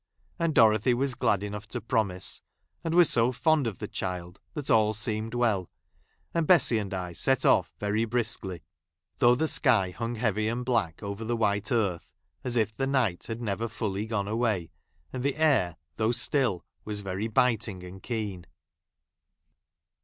Aiid Doro j thy was glad enough to promise, and was so j fond of the child that all seemed well ; and I Bessy and I set off very briskly, thougli tlie I sky hung heavy and black over the white earth, as if the night had never fully gone away ; and the aii , though still, was very biting and keen.